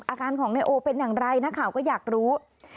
อาการของนายโอเป็นอย่างไรนักข่าวก็อยากรู้